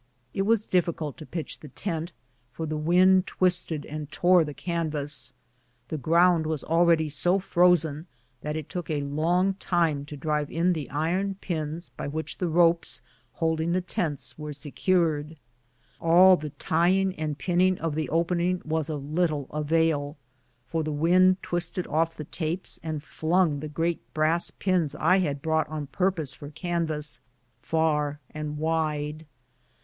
It was difficult to pitch the tent^ for the wind twisted and tore the canvas; the ground was already so frozen that it took a long time to drive in tlie iron pins by which the ropes holding the tents are secured. All the tying and pinning of the opening was of little avail, for the wind twisted off the tapes and flung the great brass pins I had brought on purpose for canvas far and wide.